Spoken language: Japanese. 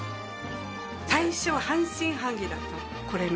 最初半信半疑だったの。